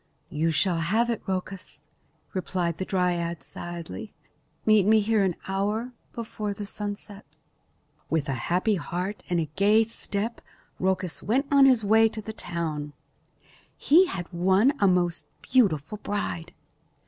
"You shall have it, Rhoecus," replied the dryad sadly. "Meet me here an hour before the sunset." With a happy heart and a gay step Rhoecus went on his way to the town. He had won a most beautiful bride.